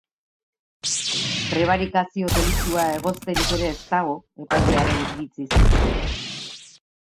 Prebarikazio delitua egozterik ere ez dago, epailearen iritziz.